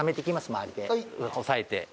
周りで押さえて。